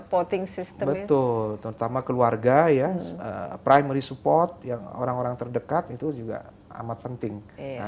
pertama keluarga primary support orang orang terdekat itu juga amat penting